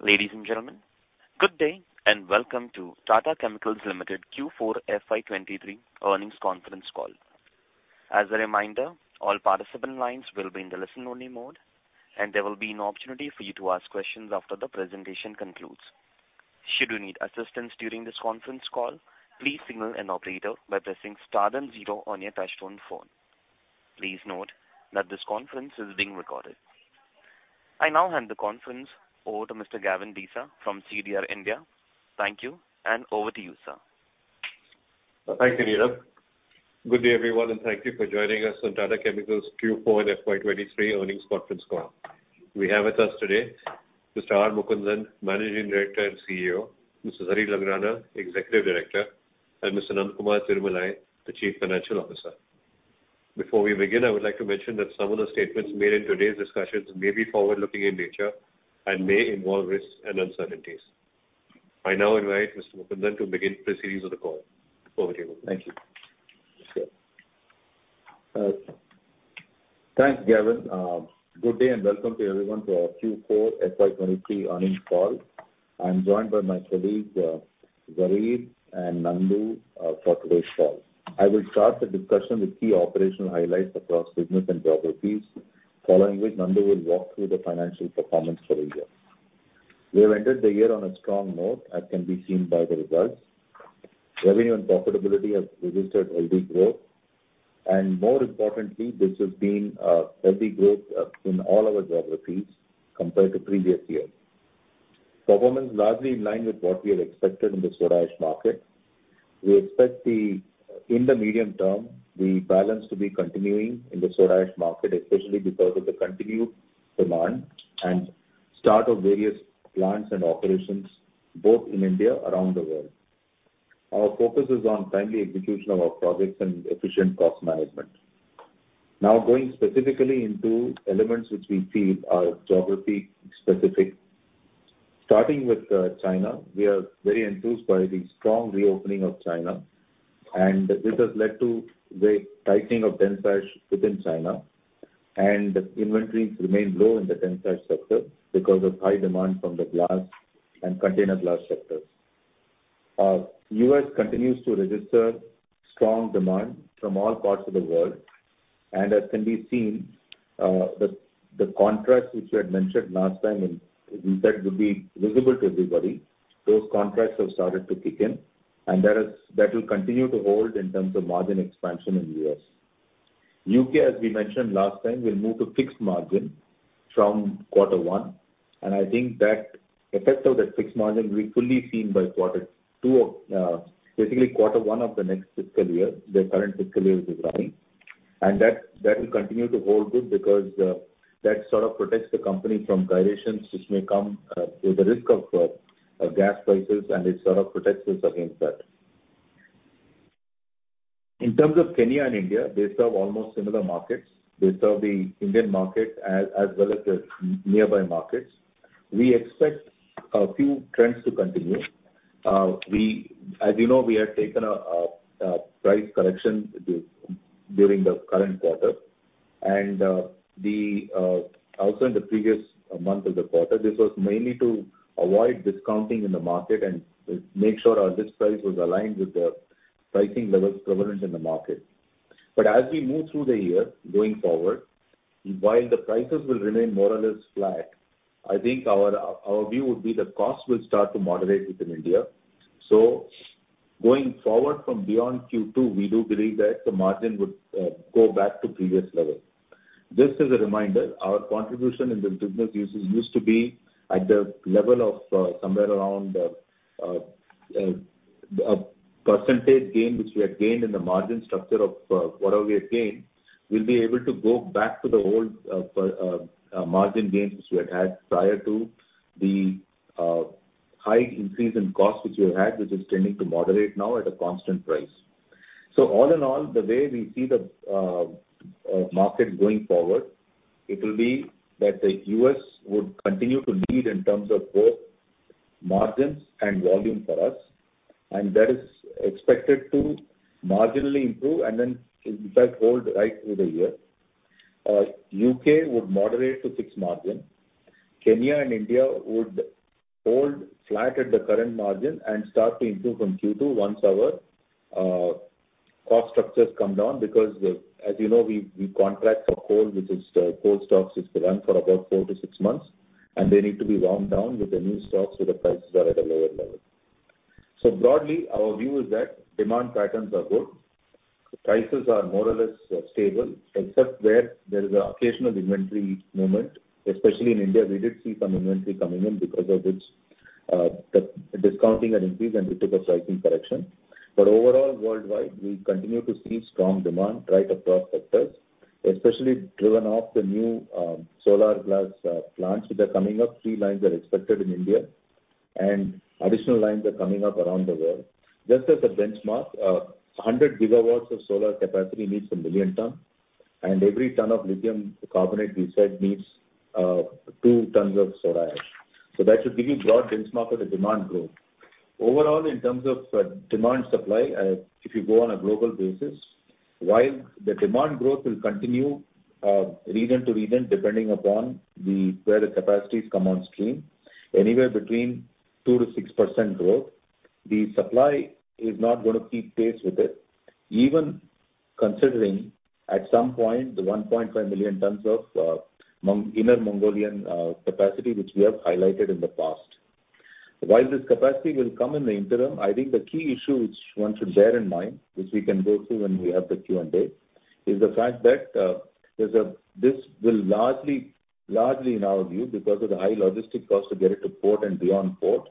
Ladies and gentlemen, good day and welcome to Tata Chemicals Limited Q4 FY23 earnings conference call. As a reminder, all participant lines will be in the listen-only mode, and there will be an opportunity for you to ask questions after the presentation concludes. Should you need assistance during this conference call, please signal an operator by pressing star then 0 on your touchtone phone. Please note that this conference is being recorded. I now hand the conference over to Mr. Gavin Desa from CDR India. Thank you, and over to you, sir. Thank you, Neerav. Good day, everyone, and thank you for joining us on Tata Chemicals Q4 and FY23 earnings conference call. We have with us today Mr. R. Mukundan, Managing Director and CEO, Mr. Zarir Langrana, Executive Director, and Mr. Nandakumar Tirumalai, the Chief Financial Officer. Before we begin, I would like to mention that some of the statements made in today's discussions may be forward-looking in nature and may involve risks and uncertainties. I now invite Mr. Mukundan to begin proceedings of the call. Over to you, Mukundan. Thank you. Thanks, Gavin. Good day and welcome to everyone to our Q4 FY23 earnings call. I'm joined by my colleagues, Zarir and Nandu, for today's call. I will start the discussion with key operational highlights across segments and geographies, following which Nandu will walk through the financial performance for the year. We have ended the year on a strong note, as can be seen by the results. Revenue and profitability have registered healthy growth. More importantly, this has been healthy growth in all our geographies compared to previous years. Performance largely in line with what we had expected in the soda ash market. We expect the, in the medium term, the balance to be continuing in the soda ash market, especially because of the continued demand and start of various plants and operations both in India, around the world. Our focus is on timely execution of our projects and efficient cost management. Now, going specifically into elements which we feel are geography specific. Starting with China, we are very enthused by the strong reopening of China, and this has led to the tightening of dense ash within China. Inventories remain low in the dense ash sector because of high demand from the glass and container glass sectors. US continues to register strong demand from all parts of the world. As can be seen, the contracts which we had mentioned last time, and we said would be visible to everybody, those contracts have started to kick in, and that will continue to hold in terms of margin expansion in US. U.K., as we mentioned last time, will move to fixed margin from Q1. I think that effect of that fixed margin will be fully seen by Q2, basically Q1 of the next fiscal year, the current fiscal year which is running. That will continue to hold good because that sort of protects the company from gyrations which may come with the risk of gas prices, and it sort of protects us against that. In terms of Kenya and India, they serve almost similar markets. They serve the Indian market as well as the nearby markets. As you know, we have taken a price correction during the current quarter and also in the previous month of the quarter. This was mainly to avoid discounting in the market and make sure our list price was aligned with the pricing levels prevalent in the market. As we move through the year going forward, while the prices will remain more or less flat, I think our view would be the cost will start to moderate within India. Going forward from beyond Q2, we do believe that the margin would go back to previous levels. Just as a reminder, our contribution in the business used to be at the level of somewhere around percentage gain, which we had gained in the margin structure of whatever we had gained. We'll be able to go back to the old margin gains which we had prior to the high increase in costs which we had, which is tending to moderate now at a constant price. All in all, the way we see the market going forward, it will be that the US would continue to lead in terms of both margins and volume for us, and that is expected to marginally improve and then in fact hold right through the year. UK would moderate to fixed margin. Kenya and India would hold flat at the current margin and start to improve from Q2 once our cost structures come down because as you know, we contract for coal, which is the coal stocks, which run for about 4-6 months, and they need to be ramped down with the new stocks. The prices are at a lower level. Broadly, our view is that demand patterns are good. Prices are more or less stable, except where there is an occasional inventory movement, especially in India. We did see some inventory coming in because of which the discounting had increased. We took a pricing correction. Overall, worldwide, we continue to see strong demand right across sectors, especially driven off the new solar glass plants which are coming up. Three lines are expected in India and additional lines are coming up around the world. Just as a benchmark, 100 gigawatts of solar capacity needs a million ton, and every ton of lithium carbonate we said needs, 2 tons of soda ash. That should give you broad benchmark of the demand growth. Overall, in terms of demand supply, if you go on a global basis, while the demand growth will continue, region to region, depending upon where the capacities come on stream, anywhere between 2%-6% growth, the supply is not gonna keep pace with it. Even considering at some point, the 1.5 million tons of inner Mongolian capacity which we have highlighted in the past. While this capacity will come in the interim, I think the key issue which one should bear in mind, which we can go through when we have the Q&A, is the fact that this will largely in our view, because of the high logistic cost to get it to port and beyond port,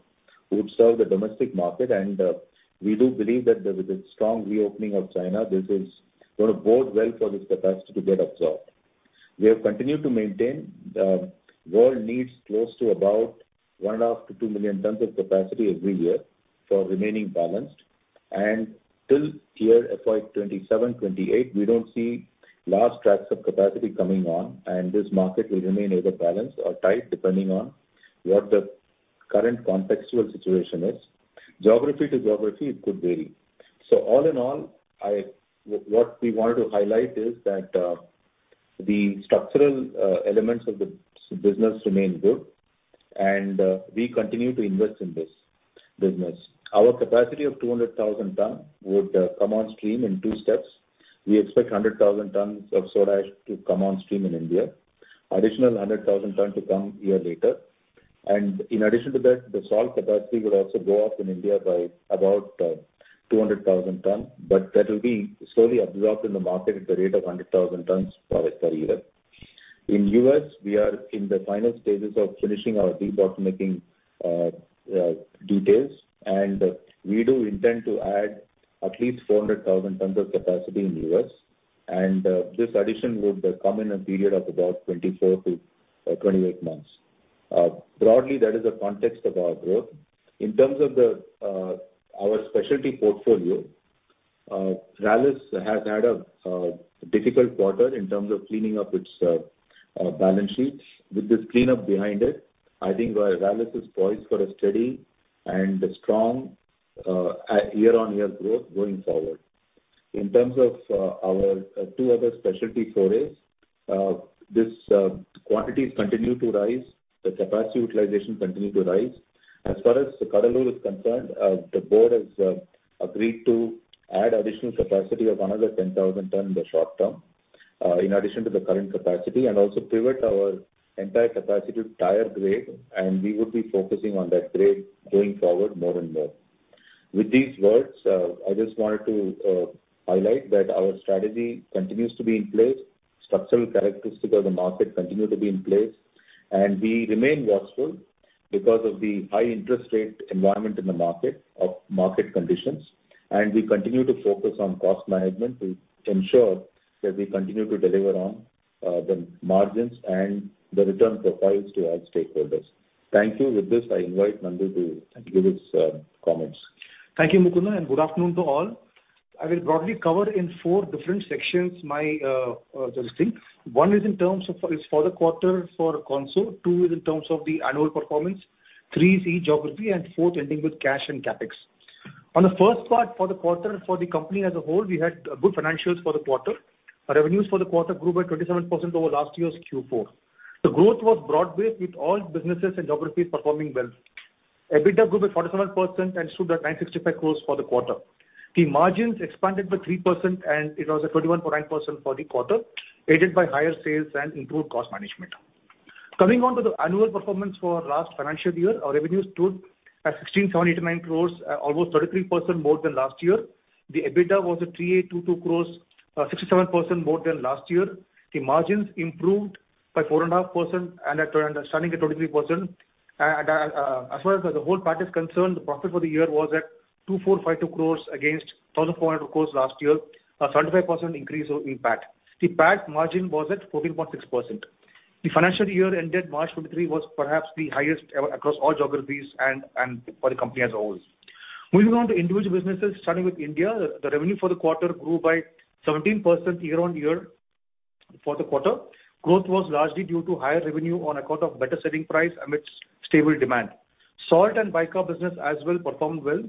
would serve the domestic market. We do believe that there is a strong reopening of China. This is gonna bode well for this capacity to get absorbed. We have continued to maintain, world needs close to about 1.5 to 2 million tons of capacity every year for remaining balanced. Till year FY27, FY28, we don't see large tracks of capacity coming on, and this market will remain either balanced or tight depending on what the current contextual situation is. Geography to geography, it could vary. All in all, what we wanted to highlight is that the structural elements of the business remain good and we continue to invest in this business. Our capacity of 200,000 tons would come on stream in two steps. We expect 100,000 tons of soda ash to come on stream in India. Additional 100,000 tons to come a year later. In addition to that, the salt capacity would also go up in India by about 200,000 tons, but that will be slowly absorbed in the market at the rate of 100,000 tons for every year. In U.S., we are in the final stages of finishing our debottlenecking details, and we do intend to add at least 400,000 tons of capacity in U.S. This addition would come in a period of about 24-28 months. Broadly, that is the context of our growth. In terms of the our specialty portfolio, Rallis has had a difficult quarter in terms of cleaning up its balance sheet. With this cleanup behind it, I think Rallis is poised for a steady and a strong year-on-year growth going forward. In terms of our two other specialty forays, this quantities continue to rise, the capacity utilization continue to rise. As far as Cuddalore is concerned, the board has agreed to add additional capacity of another 10,000 ton in the short term, in addition to the current capacity, and also pivot our entire capacity to tire grade, and we would be focusing on that grade going forward more and more. With these words, I just wanted to highlight that our strategy continues to be in place. Structural characteristic of the market continue to be in place. We remain watchful because of the high interest rate environment in the market of market conditions, and we continue to focus on cost management to ensure that we continue to deliver on the margins and the return profiles to our stakeholders. Thank you. With this, I invite Nandu to give his comments. Thank you, Mukundan. Good afternoon to all. I will broadly cover in four different sections my. One is in terms of, is for the quarter for consol. Two is in terms of the annual performance. Three is each geography, and fourth ending with cash and CapEx. On the first part for the quarter for the company as a whole, we had good financials for the quarter. Revenues for the quarter grew by 27% over last year's Q4. The growth was broad-based with all businesses and geographies performing well. EBITDA grew by 47% and stood at 965 crores for the quarter. The margins expanded by 3% and it was at 31.9% for the quarter, aided by higher sales and improved cost management. Coming on to the annual performance for last financial year, our revenues stood at 16,679 crores, almost 33% more than last year. The EBITDA was at 3,822 crores, 67% more than last year. The margins improved by 4.5% and at, standing at 33%. As far as the whole part is concerned, the profit for the year was at 2,452 crores against 1,400 crores last year. A 35% increase over in PAT. The PAT margin was at 14.6%. The financial year ended March 2023 was perhaps the highest ever across all geographies and for the company as a whole. Moving on to individual businesses, starting with India, the revenue for the quarter grew by 17% year-on-year for the quarter. Growth was largely due to higher revenue on account of better selling price amidst stable demand. Salt and bicarb business as well performed well.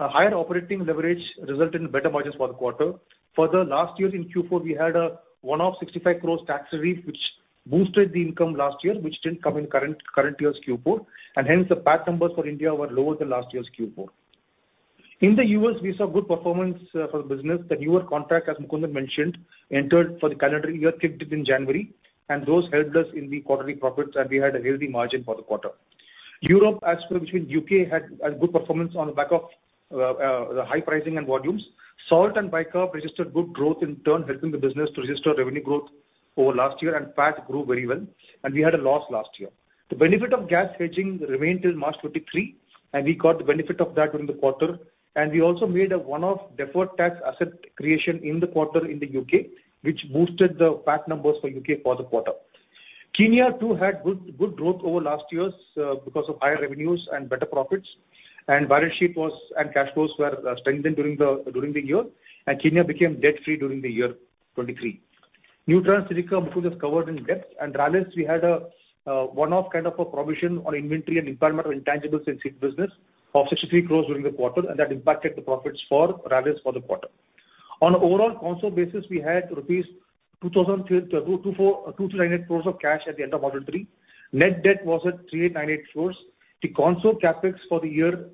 A higher operating leverage resulted in better margins for the quarter. Last year in Q4, we had a one-off 65 crores tax relief which boosted the income last year, which didn't come in current year's Q4, and hence the PAT numbers for India were lower than last year's Q4. In the US, we saw good performance for the business. The newer contract, as Mukundan mentioned, entered for the calendar year kicked in January, and those helped us in the quarterly profits, and we had a healthy margin for the quarter. Europe as per, which means UK had good performance on the back of the high pricing and volumes. Salt and bicarb registered good growth, in turn helping the business to register revenue growth over last year. PAT grew very well. We had a loss last year. The benefit of gas hedging remained till March 2023. We got the benefit of that during the quarter. We also made a one-off deferred tax asset creation in the quarter in the U.K., which boosted the PAT numbers for U.K. for the quarter. Kenya too had good growth over last years because of higher revenues and better profits. Balance sheet was, and cash flows were strengthened during the year. Kenya became debt-free during the year 2023. New trends silica Mukul has covered in depth. Rallis we had a one-off kind of a provision on inventory and impairment of intangibles in seed business of 63 crores during the quarter, and that impacted the profits for Rallis for the quarter. On overall consol basis, we had rupees 2,398 crores of cash at the end of audited. Net debt was at 3,898 crores. The consol CapEx for the year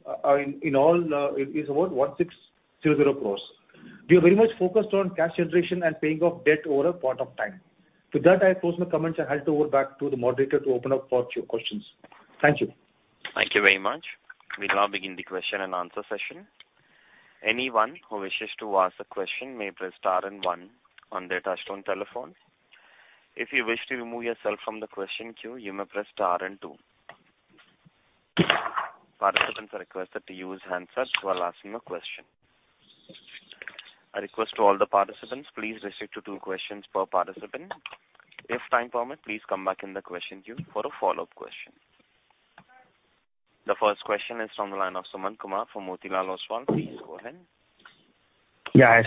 in all is about 1,600 crores. We are very much focused on cash generation and paying off debt over a point of time. With that, I close my comments. I hand over back to the moderator to open up for your questions. Thank you. Thank you very much. We now begin the question and answer session. Anyone who wishes to ask a question may press star 1 on their touchtone telephone. If you wish to remove yourself from the question queue, you may press star 2. Participants are requested to use handsets while asking a question. A request to all the participants, please restrict to two questions per participant. If time permit, please come back in the question queue for a follow-up question. The first question is from the line of Suman Kumar from Motilal Oswal. Please go ahead. Yeah. Hi,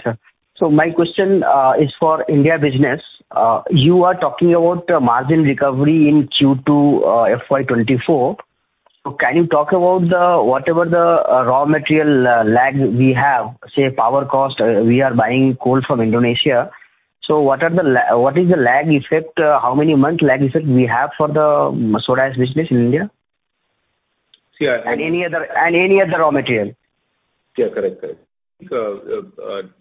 sir. My question is for India business. You are talking about margin recovery in Q2, FY24. Can you talk about the, whatever the, raw material, lag we have, say power cost, we are buying coal from Indonesia. What is the lag effect? How many months lag effect we have for the soda ash business in India? Yeah. Any other raw material. Yeah. Correct. Correct.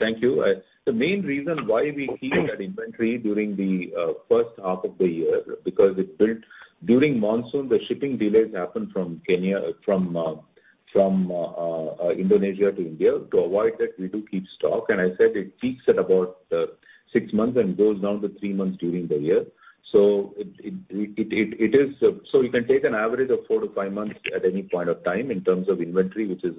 thank you. The main reason why we keep that inventory during the first half of the year, because it built during monsoon, the shipping delays happened from Kenya, from Indonesia to India. To avoid that, we do keep stock, and I said it peaks at about 6 months and goes down to 3 months during the year. It is, so you can take an average of 4-5 months at any point of time in terms of inventory, which is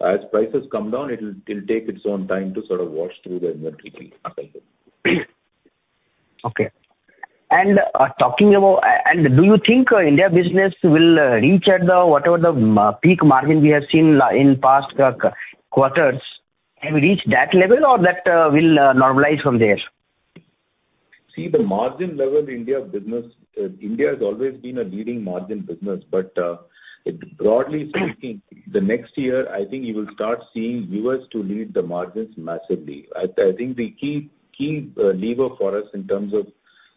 as prices come down, it'll take its own time to sort of wash through the inventory build up I think. Okay. Do you think India business will reach at whatever the peak margin we have seen in past quarters? Have you reached that level or that will normalize from there? The margin level India business, India has always been a leading margin business. Broadly speaking, the next year, I think you will start seeing U.S. to lead the margins massively. I think the key lever for us in terms of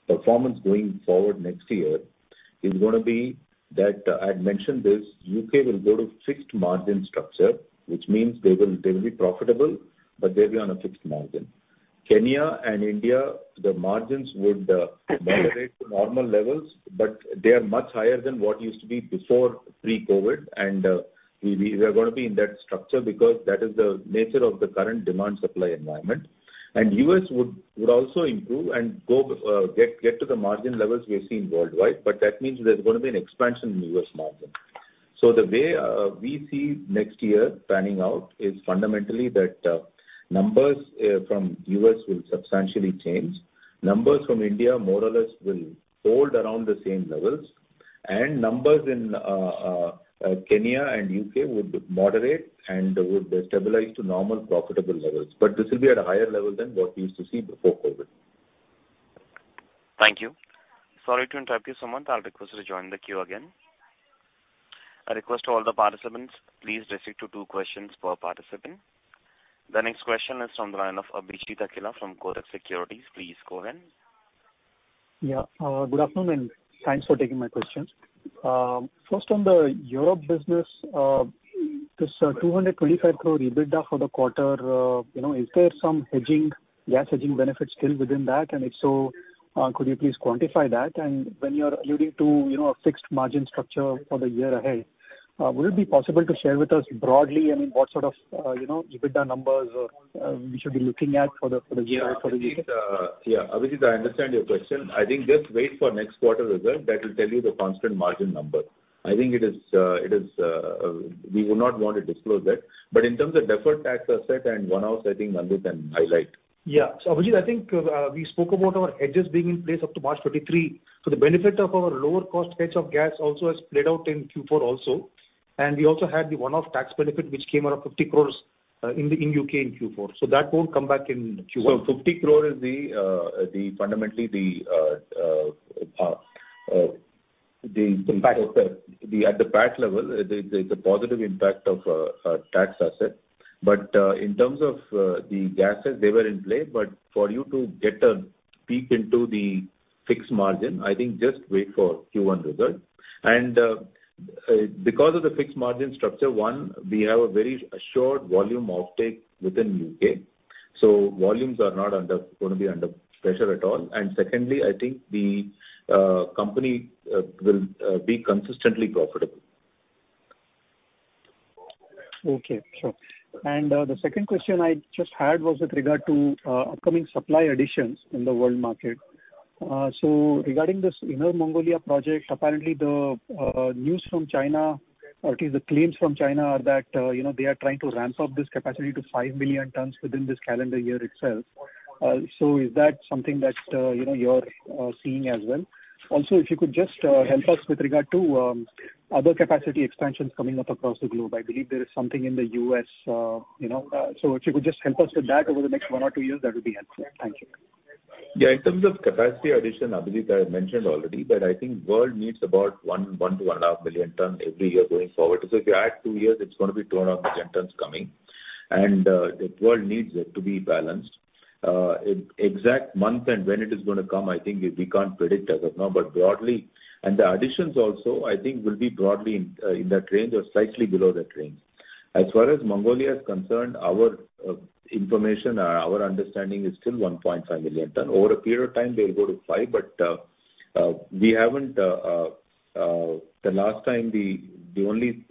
performance going forward next year is gonna be that, I'd mentioned this, U.K. will go to fixed margin structure, which means they will be profitable, but they'll be on a fixed margin. Kenya and India, the margins would moderate to normal levels, but they are much higher than what used to be before pre-COVID. We are gonna be in that structure because that is the nature of the current demand supply environment. U.S. would also improve and go get to the margin levels we have seen worldwide, that means there's gonna be an expansion in U.S. margin. The way we see next year panning out is fundamentally that numbers from U.S. will substantially change. Numbers from India more or less will hold around the same levels. Numbers in Kenya and U.K. would moderate and would stabilize to normal profitable levels. This will be at a higher level than what we used to see before COVID. Thank you. Sorry to interrupt you, Sumanth. I'll request you to join the queue again. A request to all the participants, please restrict to 2 questions per participant. The next question is from the line of Abhijit Akella from Kotak Securities. Please go ahead. Yeah. Good afternoon, and thanks for taking my questions. First on the Europe business, this 225 crore EBITDA for the quarter, you know, is there some hedging, gas hedging benefit still within that? If so, could you please quantify that? When you are alluding to, you know, a fixed margin structure for the year ahead, would it be possible to share with us broadly, I mean, what sort of, you know, EBITDA numbers, we should be looking at for the? Yeah. I think, yeah. Abhijit, I understand your question. I think just wait for next quarter result. That will tell you the constant margin number. I think it is, it is, we would not want to disclose that. In terms of deferred tax asset and one-offs, I think Mandip can highlight. Yeah. Abhijit, I think, we spoke about our hedges being in place up to March 2023. The benefit of our lower cost hedge of gas also has played out in Q4 also. We also had the one-off tax benefit which came out of 50 crores, in the, in UK in Q4. That won't come back in Q1. fundamentally th Impact. At the PAT level, the positive impact of tax asset. In terms of the gases, they were in play. For you to get a peek into the fixed margin, I think just wait for Q1 result. Because of the fixed margin structure, one, we have a very assured volume offtake within U.K., so volumes are not gonna be under pressure at all. Secondly, I think the company will be consistently profitable. Okay. Sure. The second question I just had was with regard to upcoming supply additions in the world market. Regarding this Inner Mongolia project, apparently the news from China, or at least the claims from China are that, you know, they are trying to ramp up this capacity to 5 million tons within this calendar year itself. Is that something that, you know, you're seeing as well? Also, if you could just help us with regard to other capacity expansions coming up across the globe. I believe there is something in the U.S., you know. If you could just help us with that over the next 1 or 2 years, that would be helpful. Thank you. Yeah, in terms of capacity addition, Abhijit, I mentioned already, but I think world needs about 1 to 1.5 million tons every year going forward. If you add 2 years, it's gonna be 2.5 million tons coming. The world needs it to be balanced. Exact month and when it is gonna come, I think we can't predict as of now, but broadly. The additions also I think will be broadly in that range or slightly below that range. As far as Mongolia is concerned, our information, our understanding is still 1.5 million tons. Over a period of time they'll go to 5, but we haven't, the last time the only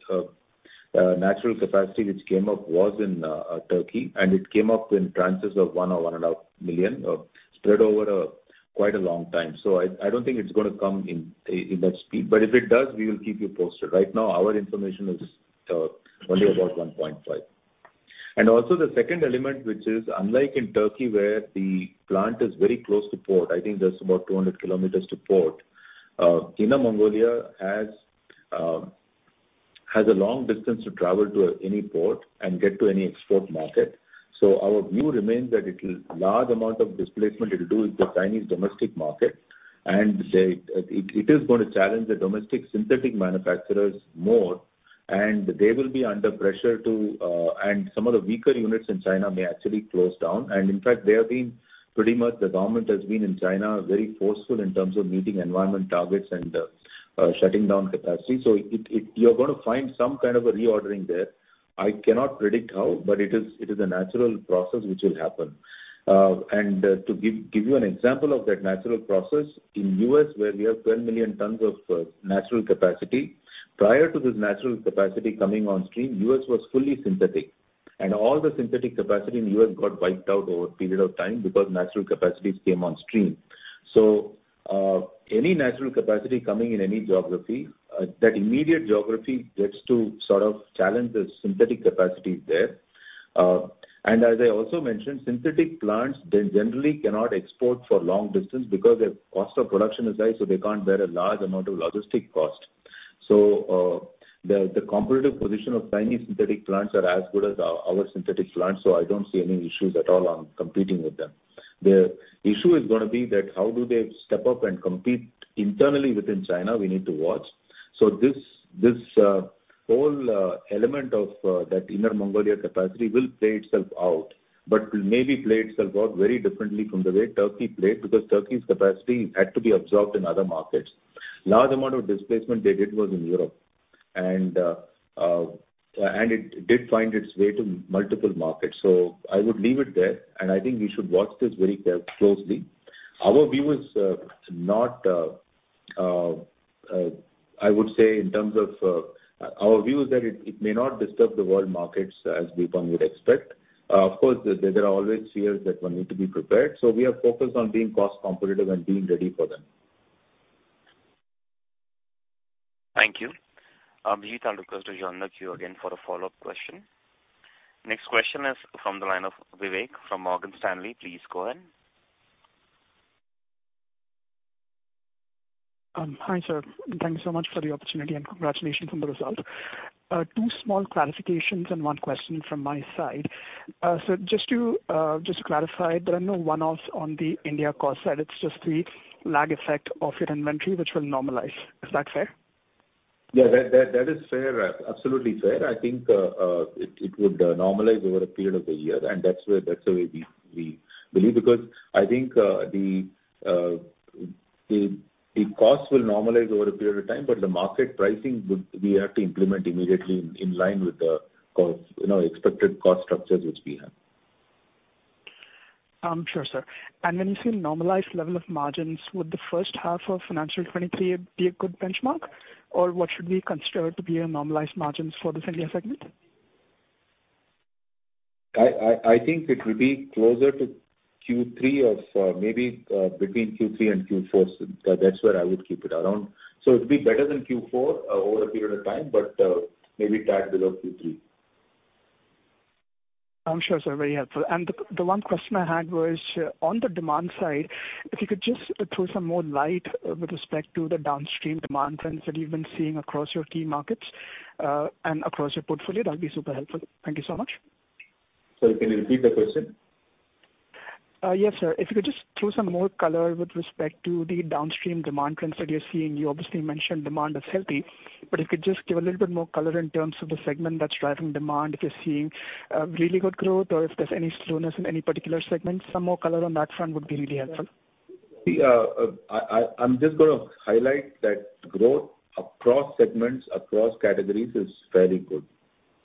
natural capacity which came up was in Turkey, and it came up in tranches of 1 or 1.5 million, spread over a quite a long time. I don't think it's gonna come in in that speed. If it does, we will keep you posted. Right now, our information is only about 1.5. Also the second element, which is unlike in Turkey where the plant is very close to port, I think that's about 200 kilometers to port. Inner Mongolia has a long distance to travel to any port and get to any export market. Our view remains that it'll large amount of displacement it'll do with the Chinese domestic market. It, it is gonna challenge the domestic synthetic manufacturers more, and they will be under pressure to. Some of the weaker units in China may actually close down. In fact, they have been pretty much the government has been in China very forceful in terms of meeting environment targets and shutting down capacity. It, you're gonna find some kind of a reordering there. I cannot predict how, but it is a natural process which will happen. And to give you an example of that natural process, in U.S. where we have 12 million tons of natural capacity, prior to this natural capacity coming on stream, U.S. was fully synthetic. All the synthetic capacity in U.S. got wiped out over a period of time because natural capacities came on stream. Any natural capacity coming in any geography, that immediate geography gets to sort of challenge the synthetic capacities there. As I also mentioned, synthetic plants, they generally cannot export for long distance because their cost of production is high, so they can't bear a large amount of logistic cost. The comparative position of Chinese synthetic plants are as good as our synthetic plants, so I don't see any issues at all on competing with them. The issue is gonna be that how do they step up and compete internally within China, we need to watch. This whole element of that Inner Mongolia capacity will play itself out, but will maybe play itself out very differently from the way Turkey played, because Turkey's capacity had to be absorbed in other markets. Large amount of displacement they did was in Europe, it did find its way to multiple markets. I would leave it there, and I think we should watch this very closely. Our view is not, I would say in terms of, our view is that it may not disturb the world markets as Deepan would expect. Of course, there are always fears that one need to be prepared, we are focused on being cost competitive and being ready for them. Thank you. Abhijit, I'll request to join the queue again for a follow-up question. Next question is from the line of Vivek from Morgan Stanley. Please go ahead. Hi, sir. Thank you so much for the opportunity, and congratulations on the result. Two small clarifications and one question from my side. Just to, just to clarify, there are no one-offs on the India cost side. It's just the lag effect of your inventory which will normalize. Is that fair? Yeah, that is fair. Absolutely fair. I think it would normalize over a period of a year. That's where that's the way we believe because I think the cost will normalize over a period of time, but the market pricing would, we have to implement immediately in line with the cost, you know, expected cost structures which we have. Sure, sir. When you say normalized level of margins, would the first half of financial 23 be a good benchmark? What should we consider to be a normalized margins for this India segment? I think it will be closer to Q3 of, maybe, between Q3 and Q4. That's where I would keep it around. It'll be better than Q4, over a period of time, but, maybe tagged below Q3. I'm sure, sir. Very helpful. The one question I had was on the demand side, if you could just throw some more light with respect to the downstream demand trends that you've been seeing across your key markets, and across your portfolio. That'll be super helpful. Thank you so much. Sir, can you repeat the question? Yes, sir. If you could just throw some more color with respect to the downstream demand trends that you're seeing. You obviously mentioned demand is healthy, but if you could just give a little bit more color in terms of the segment that's driving demand, if you're seeing really good growth or if there's any slowness in any particular segment. Some more color on that front would be really helpful. See, I'm just gonna highlight that growth across segments, across categories is very good.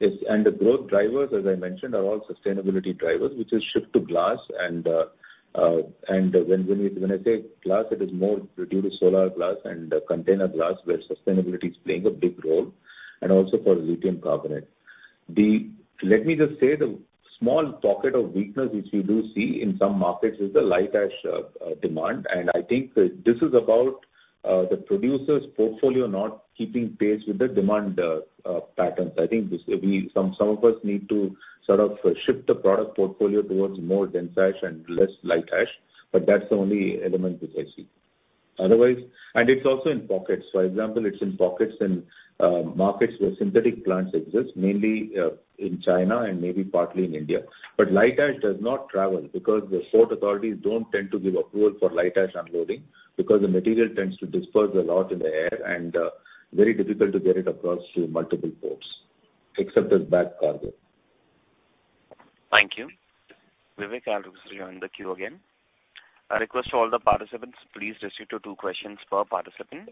The growth drivers, as I mentioned, are all sustainability drivers, which is shift to glass and, when you, when I say glass, it is more due to solar glass and container glass, where sustainability is playing a big role, and also for lithium carbonate. Let me just say the small pocket of weakness which we do see in some markets is the light ash demand, and I think this is about the producer's portfolio not keeping pace with the demand patterns. I think this, we, some of us need to sort of shift the product portfolio towards more dense ash and less light ash, that's the only element which I see. It's also in pockets. For example, it's in pockets in markets where synthetic plants exist, mainly in China and maybe partly in India. Light ash does not travel because the port authorities don't tend to give approval for light ash unloading because the material tends to disperse a lot in the air, and very difficult to get it across through multiple ports, except as bag cargo. Thank you. Vivek, I'll request you to join the queue again. I request all the participants, please restrict to two questions per participant.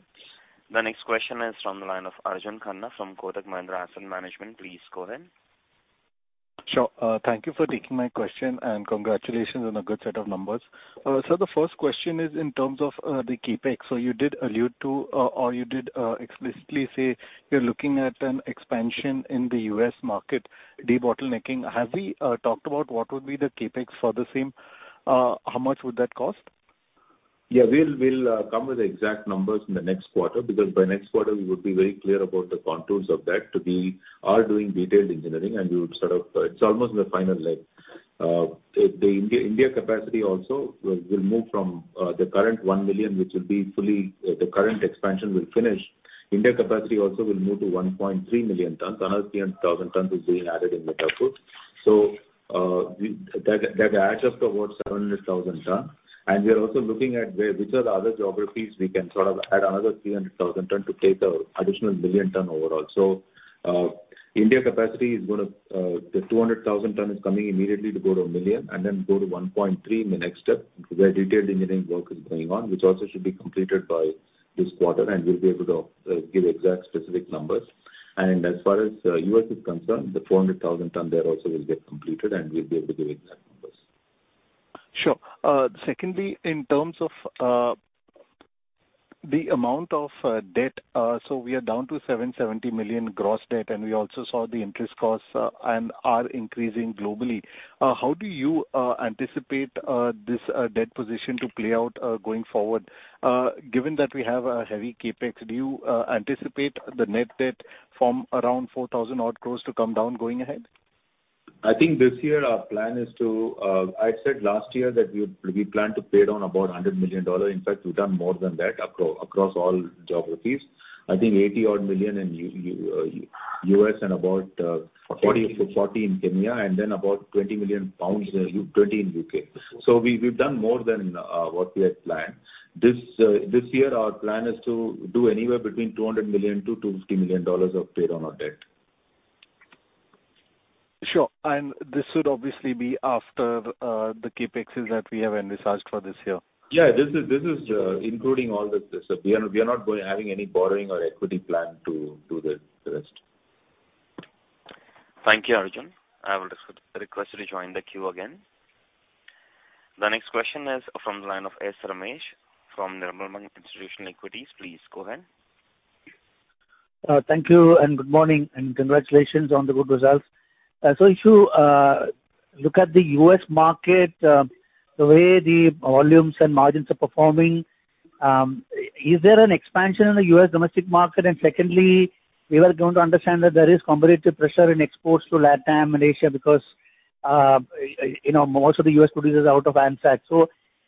The next question is from the line of Arjun Khanna from Kotak Mahindra Asset Management. Please go ahead. Sure. Thank you for taking my question, and congratulations on a good set of numbers. The first question is in terms of the CapEx. You did allude to, or you did explicitly say you're looking at an expansion in the U.S. market, debottlenecking. Have we talked about what would be the CapEx for the same? How much would that cost? Yeah. We'll come with the exact numbers in the next quarter, because by next quarter we would be very clear about the contours of that. Are doing detailed engineering, and we would sort of, it's almost in the final leg. The India capacity also will move from the current 1 million, which will be fully, the current expansion will finish. India capacity also will move to 1.3 million tons. Another 300,000 tons is being added in Chhattisgarh. That adds up to about 700,000 tons. We are also looking at where, which are the other geographies we can sort of add another 300,000 ton to take our additional 1 million ton overall. India capacity is gonna the 200,000 ton is coming immediately to go to 1 million, and then go to 1.3 in the next step. Their detailed engineering work is going on, which also should be completed by this quarter, and we'll be able to give exact specific numbers. As far as U.S. is concerned, the 400,000 ton there also will get completed, and we'll be able to give exact numbers. Sure. Secondly, in terms of the amount of debt, we are down to 770 million gross debt. We also saw the interest costs and are increasing globally. How do you anticipate this debt position to play out going forward? Given that we have a heavy CapEx, do you anticipate the net debt from around 4,000 odd crores to come down going ahead? I think this year our plan is to, I said last year that we plan to pay down about $100 million. In fact, we've done more than that across all geographies. I think $80 odd million in US and about Forty. $40 million, $40 million in Kenya. About 20 million pounds, 20 million in UK. We've done more than what we had planned. This year, our plan is to do anywhere between $200 million-$250 million of pay down our debt. Sure. This would obviously be after the CapExes that we have envisaged for this year. Yeah. This is including all this. We are not going, having any borrowing or equity plan to do the rest. Thank you, Arjun. I will request you to join the queue again. Next question is from the line of S. Ramesh from Nirmal Bang Institutional Equities. Please go ahead. Thank you, good morning, congratulations on the good results. If you look at the U.S. market, the way the volumes and margins are performing, is there an expansion in the U.S. domestic market? Secondly, we were going to understand that there is competitive pressure in exports to LatAm and Asia because, you know, most of the U.S. produces out of ANSAC.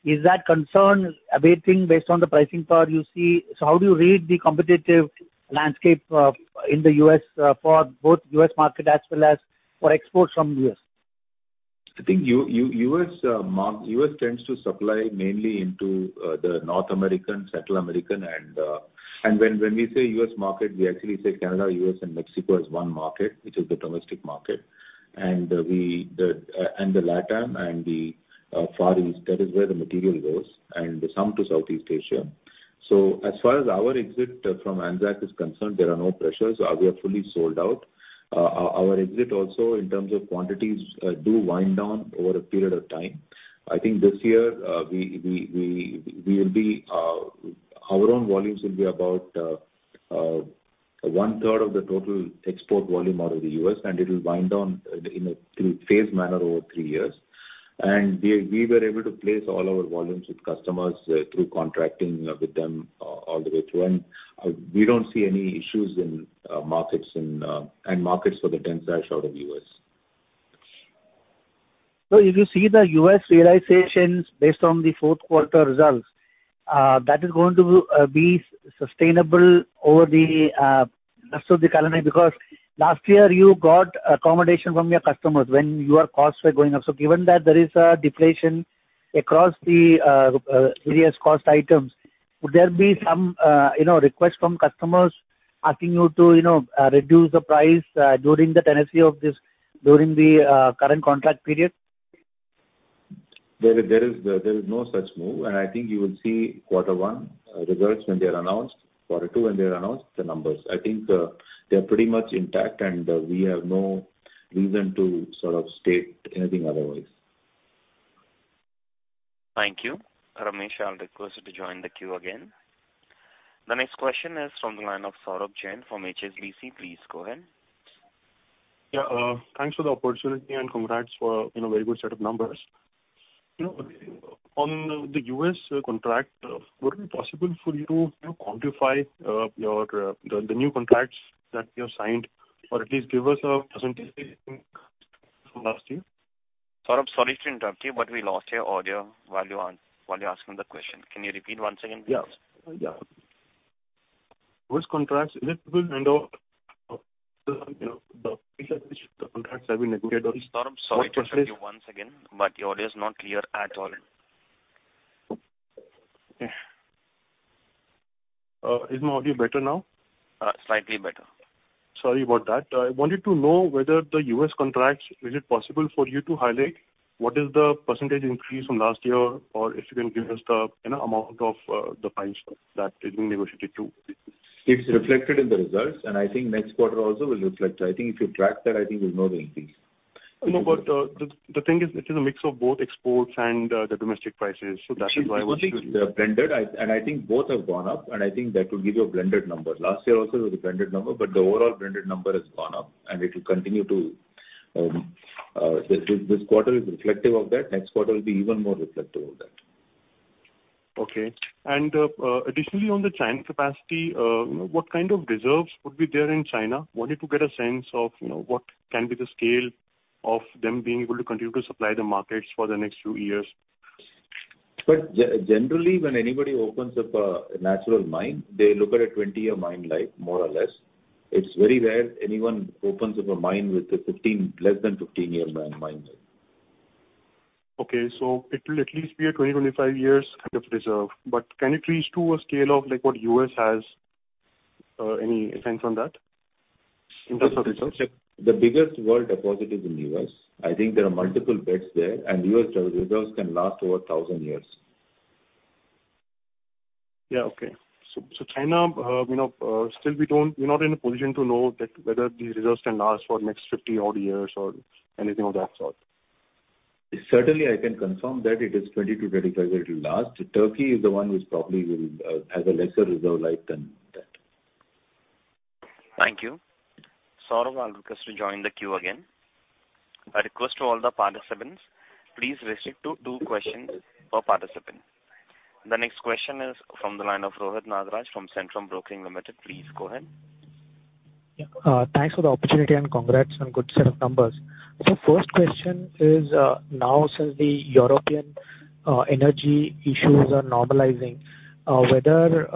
Is that concern awaiting based on the pricing power you see? How do you read the competitive landscape in the U.S., for both U.S. market as well as for exports from the U.S.? I think U.S. tends to supply mainly into the North American, Central American, and when we say U.S. market, we actually say Canada, U.S., and Mexico as one market, which is the domestic market. We, the, and the LatAm and the Far East, that is where the material goes, and some to Southeast Asia. As far as our exit from ANSAC is concerned, there are no pressures. We are fully sold out. Our exit also in terms of quantities, do wind down over a period of time. I think this year, we will be, our own volumes will be about one third of the total export volume out of the U.S., and it'll wind down in a, through phased manner over three years. We were able to place all our volumes with customers through contracting with them all the way through. We don't see any issues in markets and markets for the dense ash out of US. If you see the U.S. realizations based on the fourth quarter results, that is going to be sustainable over the rest of the calendar year. Because last year you got accommodation from your customers when your costs were going up. Given that there is a deflation across the various cost items, would there be some, you know, request from customers asking you to, you know, reduce the price during the tenancy of this, during the current contract period? There is no such move, and I think you will see quarter one results when they are announced, quarter two when they are announced, the numbers. I think they're pretty much intact, and we have no reason to sort of state anything otherwise. Thank you. Ramesh, I'll request you to join the queue again. The next question is from the line of Saurabh Jain from HSBC. Please go ahead. Thanks for the opportunity and congrats for, you know, very good set of numbers. You know, on the US contract, would it be possible for you to, you know, quantify your the new contracts that you have signed, or at least give us a percentage, I think, from last year? Saurabh, sorry to interrupt you, but we lost your audio while you were asking the question. Can you repeat once again, please? Yeah. Yeah. Which contracts is it possible to handle the, you know, the contracts that we negotiated? Saurabh, sorry to interrupt you once again, but your audio is not clear at all. Is my audio better now? Slightly better. Sorry about that. I wanted to know whether the U.S. contracts, is it possible for you to highlight what is the % increase from last year? If you can give us the, you know, amount of the prices that is being negotiated too? It's reflected in the results. I think next quarter also will reflect. I think if you track that, I think you'll know the increase. The thing is it is a mix of both exports and, the domestic prices. That is why I was blended, and I think both have gone up, and I think that will give you a blended number. Last year also it was a blended number. The overall blended number has gone up and it will continue to, this quarter is reflective of that. Next quarter will be even more reflective of that. Okay. Additionally, on the China capacity, you know, what kind of reserves would be there in China? Wanted to get a sense of, you know, what can be the scale of them being able to continue to supply the markets for the next few years. Generally, when anybody opens up a natural mine, they look at a 20-year mine life, more or less. It's very rare anyone opens up a mine with a 15, less than 15-year mine life. Okay. It will at least be a 20-25 years kind of reserve. Can it reach to a scale of like what U.S. has? Any sense on that in terms of reserves? The biggest world deposit is in U.S. I think there are multiple bets there. U.S. re-reserves can last over 1,000 years. Yeah. Okay. China, you know, still we're not in a position to know that whether these reserves can last for next 50 odd years or anything of that sort. Certainly I can confirm that it is 20-25 years it will last. Turkey is the one which probably will has a lesser reserve life than that. Thank you. Saurabh, I'll request you to join the queue again. I request to all the participants, please restrict to 2 questions per participant. The next question is from the line of Rohit Nagraj from Centrum Broking Limited. Please go ahead. Yeah. Thanks for the opportunity and congrats on good set of numbers. First question is, now since the European energy issues are normalizing, whether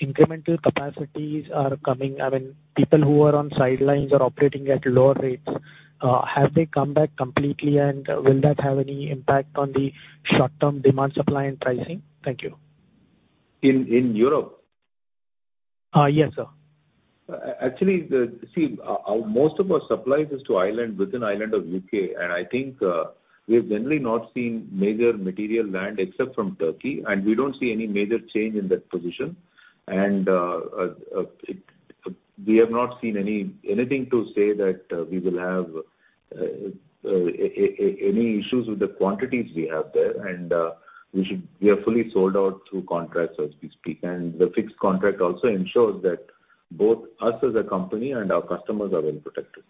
incremental capacities are coming. I mean, people who are on sidelines are operating at lower rates. Have they come back completely? Will that have any impact on the short-term demand, supply and pricing? Thank you. In Europe? Yes, sir. Actually, see, most of our supply is to island, within island of U.K. I think, we have generally not seen major material land except from Turkey. We don't see any major change in that position. We have not seen anything to say that we will have any issues with the quantities we have there. We are fully sold out through contracts as we speak. The fixed contract also ensures that both us as a company and our customers are well protected.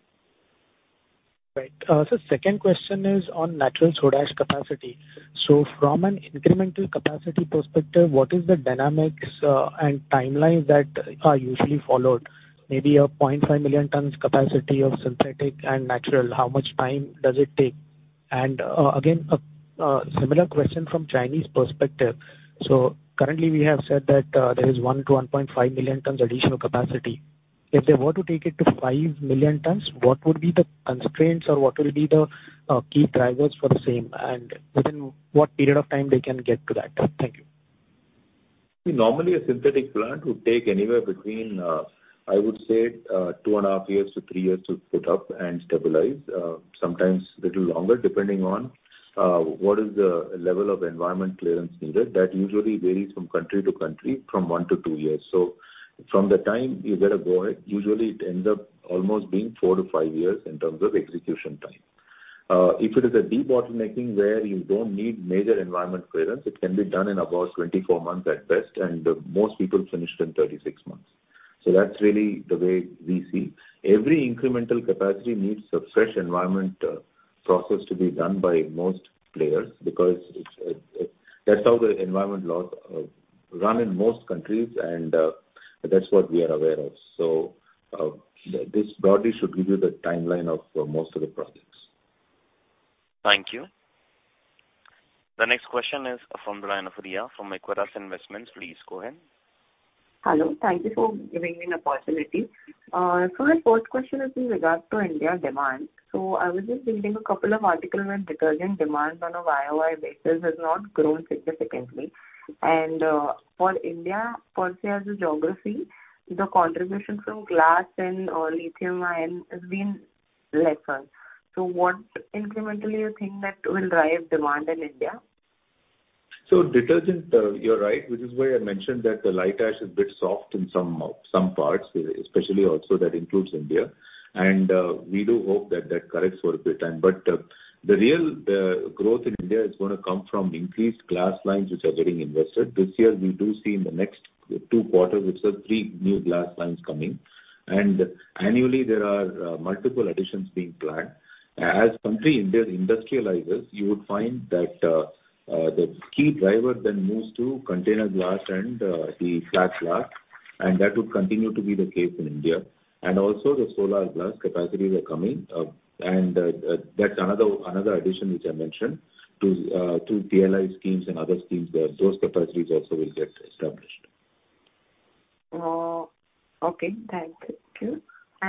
Right. Sir, second question is on natural soda ash capacity. From an incremental capacity perspective, what is the dynamics and timelines that are usually followed? Maybe a 0.5 million tons capacity of synthetic and natural. How much time does it take? And again, a similar question from Chinese perspective. Currently we have said that there is 1 million-1.5 million tons additional capacity. If they were to take it to 5 million tons, what would be the constraints or what will be the key drivers for the same, and within what period of time they can get to that? Thank you. normally a synthetic plant would take anywhere between, I would say, 2 and a half years to 3 years to put up and stabilize. Sometimes little longer, depending on what is the level of environment clearance needed. That usually varies from country to country, from 1-2 years. From the time you get a go-ahead, usually it ends up almost being 4-5 years in terms of execution time. If it is a debottlenecking where you don't need major environment clearance, it can be done in about 24 months at best, and most people finish it in 36 months. That's really the way we see. Every incremental capacity needs a fresh environment process to be done by most players because it's that's how the environment laws run in most countries, and that's what we are aware of. This broadly should give you the timeline of most of the projects. Thank you. The next question is from the line of Riya from Equirus Securities. Please go ahead. Hello. Thank you for giving me an opportunity. My first question is in regards to India demand. I was just reading a couple of articles on detergent demand on a YOY basis has not grown significantly. For India, for CS' geography, the contribution from glass and lithium ion has been lesser. What incrementally you think that will drive demand in India? Detergent, you're right, which is why I mentioned that the light ash is a bit soft in some parts especially also that includes India. We do hope that that corrects for a bit of time. The real growth in India is gonna come from increased glass lines which are getting invested. This year we do see in the next two quarters itself, three new glass lines coming. Annually there are multiple additions being planned. As country India industrializes, you would find that the key driver then moves to container glass and the flat glass. That would continue to be the case in India. Also the solar glass capacities are coming. That's another addition which I mentioned to PLI schemes and other schemes where those capacities also will get established. Oh, okay. Thank you.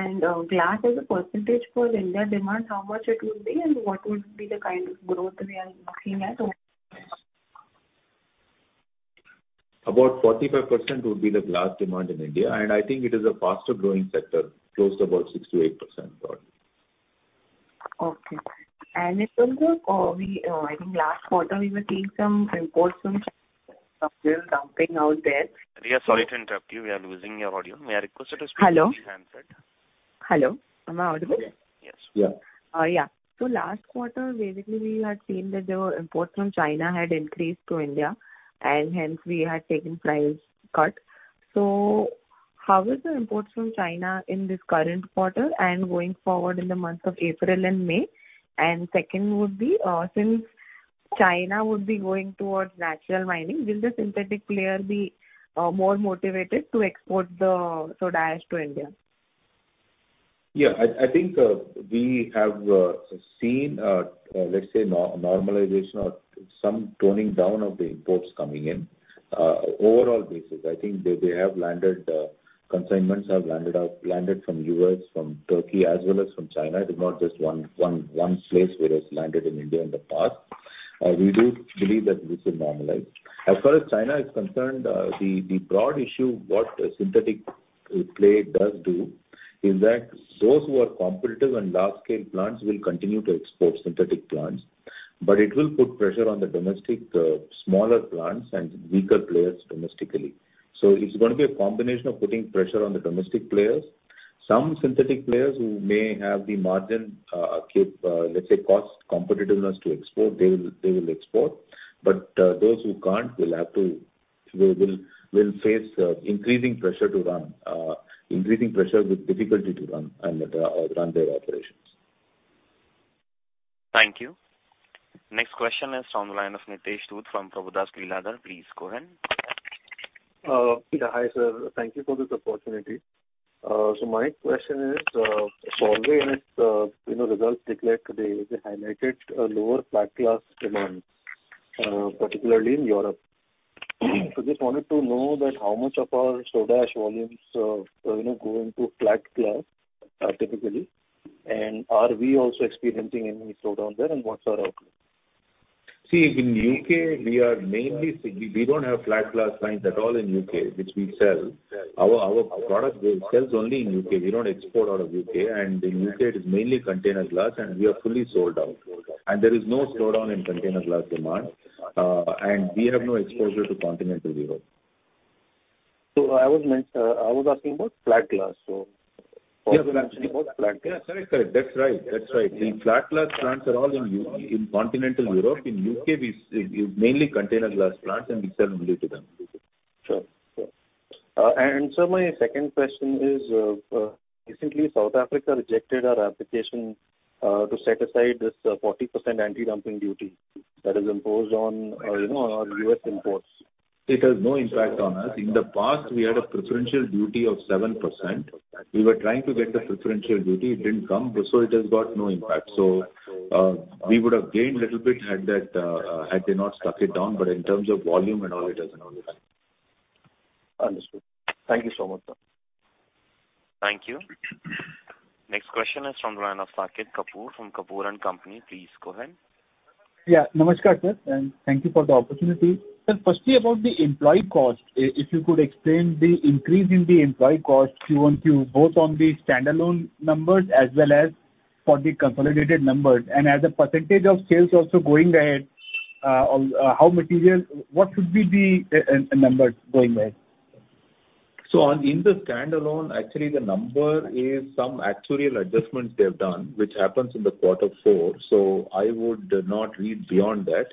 Glass as a % for the India demand, how much it would be and what would be the kind of growth we are looking at? About 45% would be the glass demand in India, I think it is a faster-growing sector, close to about 6%-8% probably. Okay. It will look, we, I think last quarter we were seeing some imports from dumping out there. Riya, sorry to interrupt you. We are losing your audio. May I request you to speak- Hello? on your handset. Hello. Am I audible? Yes. Yeah. Yeah. Last quarter, basically we had seen that the imports from China had increased to India, and hence we had taken price cut. How is the imports from China in this current quarter and going forward in the months of April and May? Second would be, since China would be going towards natural mining, will the synthetic player be more motivated to export the soda ash to India? Yeah. I think we have seen let's say normalization or some toning down of the imports coming in overall basis. I think they have landed. Consignments have landed from U.S., from Turkey as well as from China. It is not just one place where it's landed in India in the past. We do believe that this will normalize. As far as China is concerned, the broad issue, what a synthetic player does do is that those who are competitive and large scale plants will continue to export synthetic plants, but it will put pressure on the domestic smaller plants and weaker players domestically. It's gonna be a combination of putting pressure on the domestic players. Some synthetic players who may have the margin, keep, let's say, cost competitiveness to export, they will export. Those who can't They will face increasing pressure with difficulty to run and run their operations. Thank you. Next question is from the line of Nitesh Dutt from Prabhudas Lilladher. Please go ahead. Hi, sir. Thank you for this opportunity. My question is, Solvay in its, you know, results declared today, they highlighted a lower flat glass demand, particularly in Europe. Just wanted to know that how much of our soda ash volumes, you know, go into flat glass, typically, and are we also experiencing any slowdown there, and what's our outlook? See, in U.K. we are mainly we don't have flat glass plants at all in U.K. which we sell. Our product base sells only in U.K. We don't export out of U.K., and in U.K. it is mainly container glass, and we are fully sold out. There is no slowdown in container glass demand, and we have no exposure to continental Europe. I was asking about flat glass. Yeah. Flat glass. also actually about flat glass. Yeah. Correct. Correct. That's right. That's right. The flat glass plants are all in continental Europe. In U.K. we it's mainly container glass plants and we sell only to them. Sure. Sure. Sir, my second question is, recently South Africa rejected our application, to set aside this, 40% antidumping duty that is imposed on, you know, on our U.S. imports. It has no impact on us. In the past, we had a preferential duty of 7%. We were trying to get the preferential duty. It didn't come, so it has got no impact. We would have gained a little bit had that had they not stuck it down, but in terms of volume and all, it hasn't always had. Understood. Thank you so much, sir. Thank you. Next question is from the line of Saket Kapoor from Kapur & Company. Please go ahead. Yeah. Namaskar, sir, and thank you for the opportunity. Sir, firstly, about the employee cost, if you could explain the increase in the employee cost Q on Q, both on the standalone numbers as well as for the consolidated numbers. As a % of sales also going ahead, on, what should be the numbers going ahead? On in the standalone, actually the number is some actuarial adjustments they have done, which happens in the quarter four. I would not read beyond that.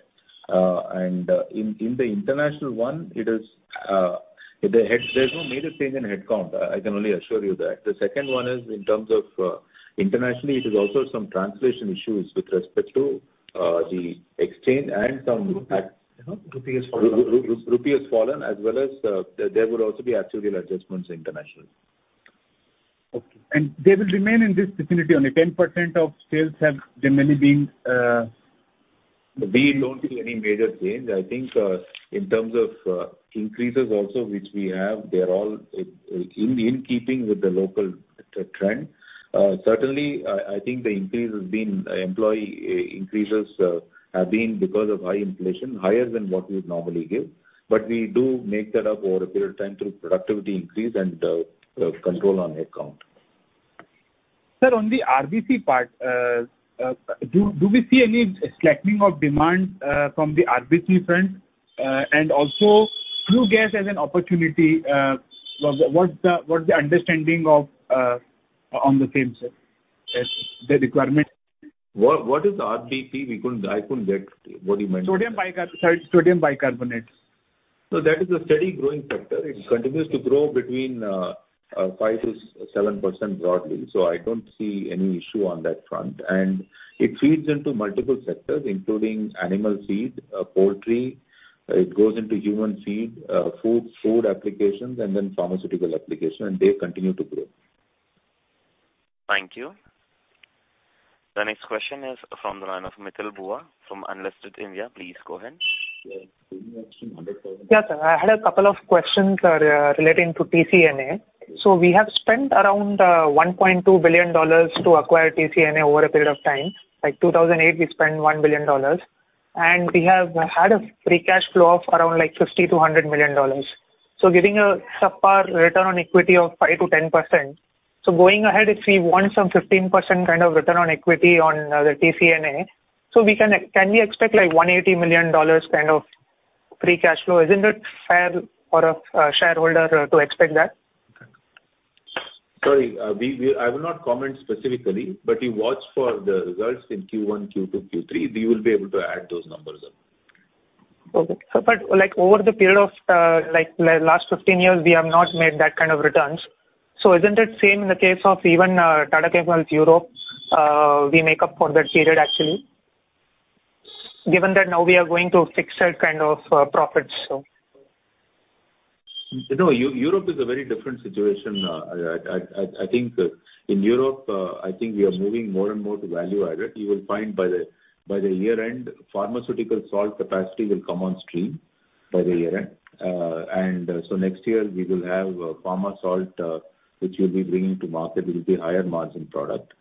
In the international one, it is, there's no major change in headcount. I can only assure you that. The second one is in terms of internationally, it is also some translation issues with respect to the exchange and some. Rupee, you know, rupee has fallen. Rupee has fallen as well as, there would also be actuarial adjustments internationally. Okay. They will remain in this vicinity only, 10% of sales have generally been. We don't see any major change. I think, in terms of, increases also, which we have, they're all in, in keeping with the local, trend. Certainly, I think the increase has been, employee, increases, have been because of high inflation, higher than what we would normally give. We do make that up over a period of time through productivity increase and, control on headcount. Sir, on the SBC part, do we see any slackening of demand from the SBC front? Also, through gas as an opportunity, what's the understanding of on the same, sir? As the requirement. What is SBC? I couldn't get what you meant. Sorry, sodium bicarbonate. That is a steady growing sector. It continues to grow between 5%-7% broadly. I don't see any issue on that front. It feeds into multiple sectors, including animal feed, poultry, it goes into human feed, food applications, pharmaceutical application, they continue to grow. Thank you. The next question is from the line of Mital Bua from Unlisted India. Please go ahead. Yes, sir. I had a couple of questions relating to TCNA. We have spent around $1.2 billion to acquire TCNA over a period of time. Like 2008, we spent $1 billion, and we have had a free cash flow of around like $50 million-$100 million. Giving a subpar return on equity of 5%-10%. Going ahead, if we want some 15% kind of return on equity on the TCNA, can we expect like $180 million kind of free cash flow? Isn't it fair for a shareholder to expect that? Sorry, I will not comment specifically, you watch for the results in Q1, Q2, Q3. We will be able to add those numbers up. Like over the period of, like the last 15 years, we have not made that kind of returns. Isn't it same in the case of even Tata Chemicals Europe, we make up for that period, actually? Given that now we are going to fixed kind of profits. No, Europe is a very different situation. I think, in Europe, I think we are moving more and more to value-added. You will find by the year-end, pharmaceutical salt capacity will come on stream by the year-end. Next year we will have pharma salt, which we'll be bringing to market, it will be higher margin product.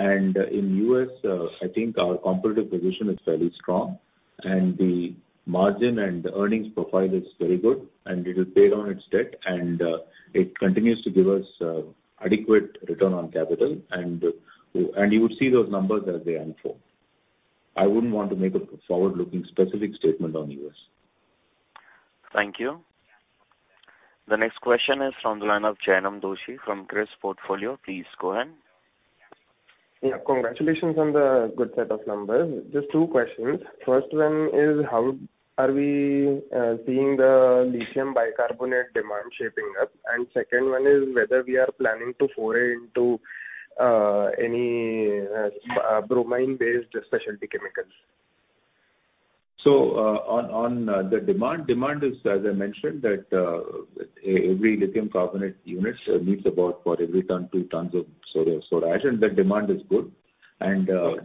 In US, I think our competitive position is fairly strong and the margin and earnings profile is very good and it will pay down its debt and it continues to give us adequate return on capital and you would see those numbers as they unfold. I wouldn't want to make a forward-looking specific statement on US. Thank you. The next question is from the line of Jainam Doshi from Crest Portfolio. Please go ahead. Yeah. Congratulations on the good set of numbers. Just two questions. First one is how are we seeing the lithium bicarbonate demand shaping up? Second one is whether we are planning to foray into any bromine-based specialty chemicals. On the demand is, as I mentioned, that every lithium carbonate unit needs about for every ton, 2 tons of soda ash, and that demand is good.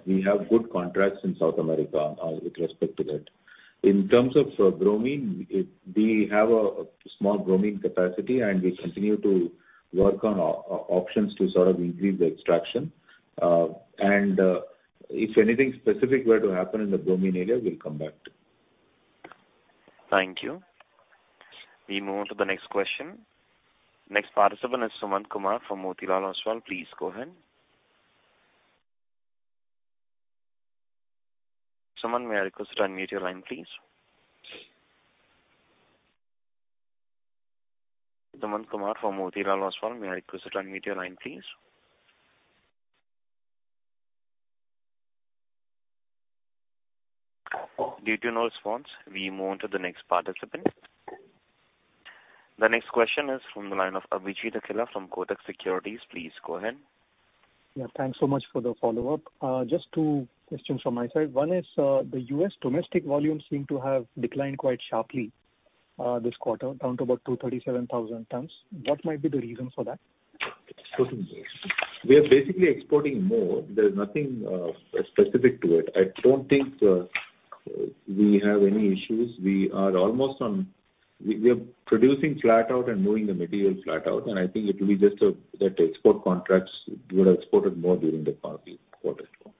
We have good contracts in South America with respect to that. In terms of bromine, we have a small bromine capacity, and we continue to work on options to sort of increase the extraction. If anything specific were to happen in the bromine area, we'll come back to you. Thank you. We move on to the next question. Next participant is Suman Kumar from Motilal Oswal. Please go ahead. Suman, may I request you to unmute your line, please? Suman Kumar from Motilal Oswal, may I request you to unmute your line, please? Due to no response, we move on to the next participant. The next question is from the line of Abhijit Akella from Kotak Securities. Please go ahead. Thanks so much for the follow-up. Just two questions from my side. One is, the U.S. domestic volumes seem to have declined quite sharply, this quarter down to about 237,000 tons. What might be the reason for that? We are basically exporting more. There's nothing specific to it. I don't think we have any issues. We are producing flat out and moving the material flat out, and I think it will be just that export contracts we would have exported more during the past quarter as well.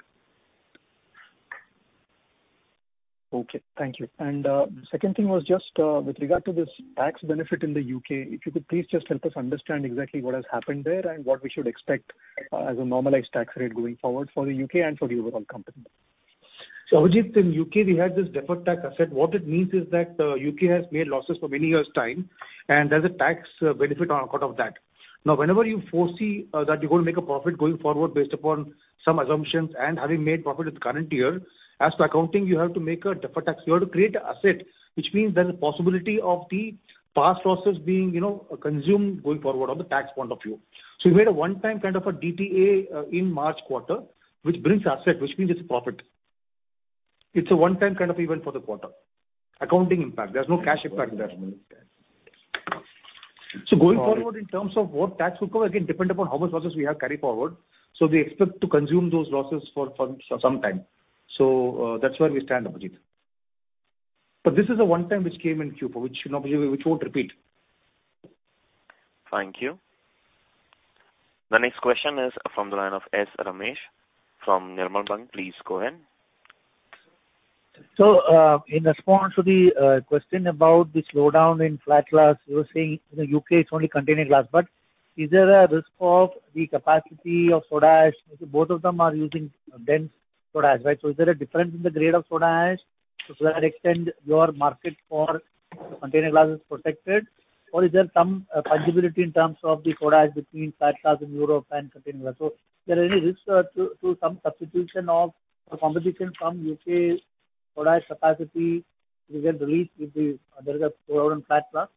Okay, thank you. The second thing was just, with regard to this tax benefit in the UK. If you could please just help us understand exactly what has happened there and what we should expect, as a normalized tax rate going forward for the UK and for the overall company? Abhijit, in U.K. we had this deferred tax asset. What it means is that, U.K. has made losses for many years' time and there's a tax benefit on account of that. Whenever you foresee that you're going to make a profit going forward based upon some assumptions and having made profit in the current year, as per accounting, you have to make a deferred tax. You have to create an asset, which means there's a possibility of the past losses being, you know, consumed going forward on the tax point of view. We made a one-time kind of a DTA in March quarter, which brings asset, which means it's profit. It's a one-time kind of event for the quarter. Accounting impact. There's no cash impact there. Going forward in terms of what tax will cover, again, depend upon how much losses we have carry forward. We expect to consume those losses for some time. That's where we stand, Abhijit. This is a one time which came in Q4, which won't repeat. Thank you. The next question is from the line of S. Ramesh from Nirmal Bang. Please go ahead. In response to the question about the slowdown in flat glass, you were saying in the UK it's only container glass. Is there a risk of the capacity of soda ash? Both of them are using dense soda ash, right? Is there a difference in the grade of soda ash? To what extent your market for container glass is protected? Is there some flexibility in terms of the soda ash between flat glass in Europe and container glass? Is there any risk to some substitution of, or competition from UK- Soda ash capacity will get released if the other goes low on flat glass.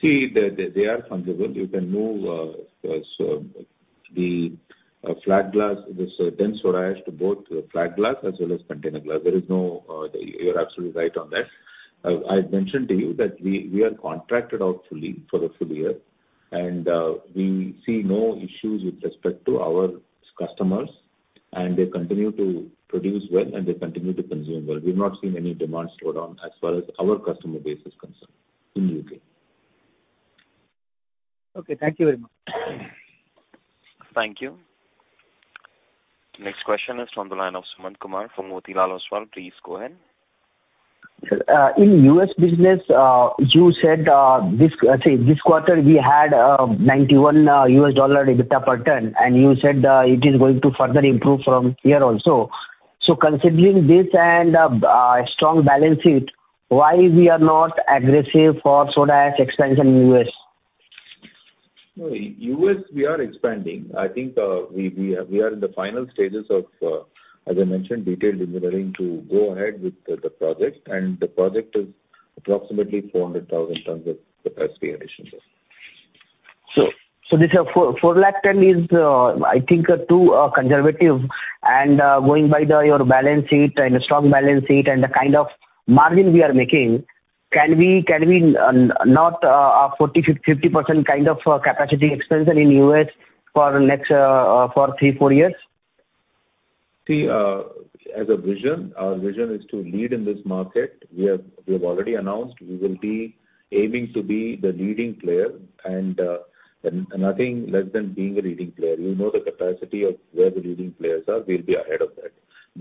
See, they are fungible. You can move, so the flat glass with certain soda ash to both flat glass as well as container glass. There is no, you're absolutely right on that. I mentioned to you that we are contracted out fully for the full year, and we see no issues with respect to our customers and they continue to produce well and they continue to consume well. We've not seen any demand slowdown as far as our customer base is concerned in UK. Okay, thank you very much. Thank you. Next question is from the line of Suman Kumar from Motilal Oswal. Please go ahead. Sir, in U.S. business, you said this quarter we had $91 EBITDA per ton, and you said it is going to further improve from here also. Considering this and a strong balance sheet, why we are not aggressive for soda ash expansion in U.S.? In U.S. we are expanding. I think we are in the final stages of as I mentioned, detailed engineering to go ahead with the project. The project is approximately 400,000 tons of capacity addition there. This 4 lakh ton is I think too conservative and going by your balance sheet and the strong balance sheet and the kind of margin we are making, can we not 40%-50% kind of capacity expansion in US for next three, four years? See, as a vision, our vision is to lead in this market. We have already announced we will be aiming to be the leading player and nothing less than being a leading player. You know the capacity of where the leading players are, we'll be ahead of that.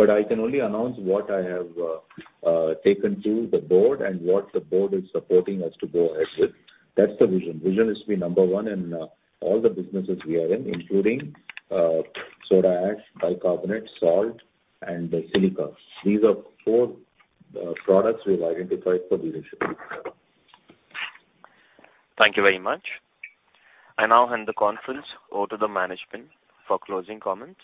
I can only announce what I have taken to the board and what the board is supporting us to go ahead with. That's the vision. Vision is to be number 1 in all the businesses we are in, including soda ash, bicarbonate, salt and silica. These are 4 products we've identified for leadership. Thank you very much. I now hand the conference over to the management for closing comments.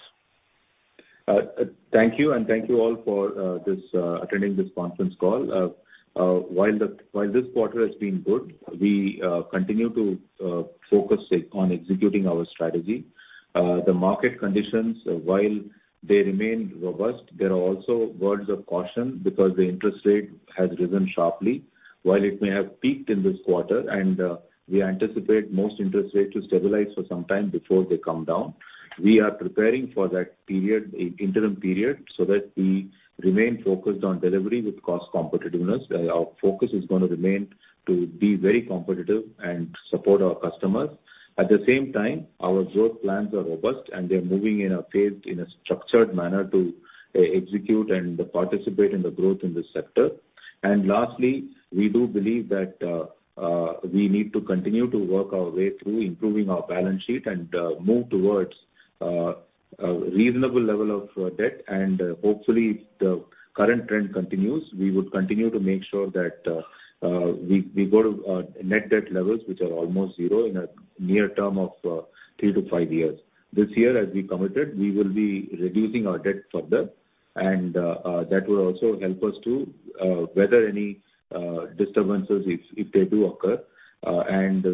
Thank you and thank you all for this attending this conference call. While this quarter has been good, we continue to focus it on executing our strategy. The market conditions, while they remain robust, there are also words of caution because the interest rate has risen sharply. While it may have peaked in this quarter and we anticipate most interest rates to stabilize for some time before they come down, we are preparing for that period, interim period, so that we remain focused on delivery with cost competitiveness. Our focus is gonna remain to be very competitive and support our customers. At the same time, our growth plans are robust and we are moving in a phased, in a structured manner to execute and participate in the growth in this sector. Lastly, we do believe that we need to continue to work our way through improving our balance sheet and move towards a reasonable level of debt. Hopefully if the current trend continues, we would continue to make sure that we go to net debt levels which are almost zero in a near term of 3 to 5 years. This year, as we committed, we will be reducing our debt further and that will also help us to weather any disturbances if they do occur and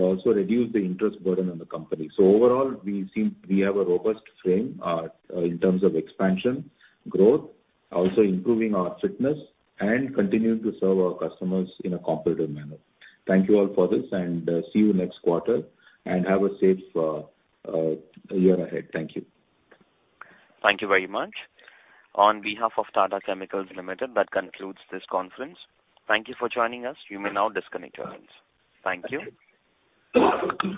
also reduce the interest burden on the company. Overall, we have a robust frame in terms of expansion, growth, also improving our fitness and continuing to serve our customers in a competitive manner. Thank you all for this and see you next quarter and have a safe year ahead. Thank you. Thank you very much. On behalf of Tata Chemicals Limited, that concludes this conference. Thank you for joining us. You may now disconnect your lines. Thank you. Thank you.